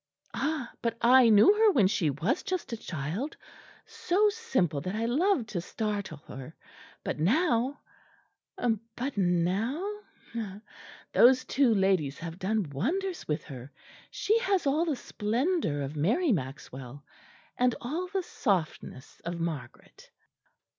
"Ah! but I knew her when she was just a child; so simple that I loved to startle her. But now but now those two ladies have done wonders with her. She has all the splendour of Mary Maxwell, and all the softness of Margaret."